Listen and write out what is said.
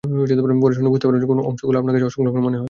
পরে শুনে বুঝতে চেষ্টা করুন, কোন অংশগুলো আপনার কাছে অসংলগ্ন মনে হয়।